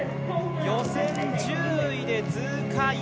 予選１０位で通過